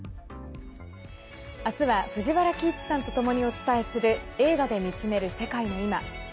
明日は藤原帰一さんとともにお伝えする「映画で見つめる世界のいま」。